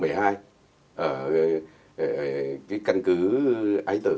ở cái căn cứ ái tử